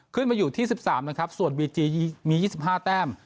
ขึ้นมาอยู่ที่สิบสามนะครับส่วนบีจีมียี่สิบห้าแต้ม